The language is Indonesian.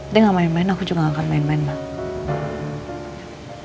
dia gak main main aku juga gak akan main main bang